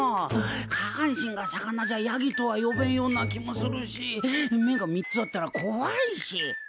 下半身が魚じゃやぎとは呼べんような気もするし目が３つあったらこわいし。